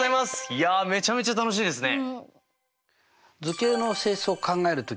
いやめちゃめちゃ楽しいですね。